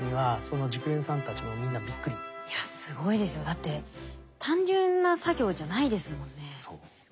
だって単純な作業じゃないですもんね。